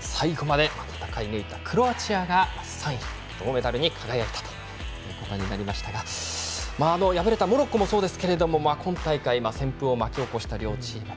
最後まで戦い抜いたクロアチアが３位と銅メダルに輝いたということになりましたが敗れたモロッコもそうですけれど今大会旋風を巻き起こした両チーム。